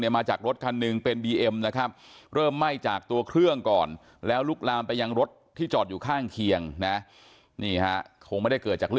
มาจากรถคันหนึ่งเป็นบีเอ็มนะครับเริ่มไหม้จากตัวเครื่องก่อนแล้วลุกลามไปยังรถที่จอดอยู่ข้างเคียงนะนี่ฮะคงไม่ได้เกิดจาก